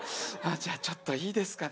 じゃあちょっといいですかね。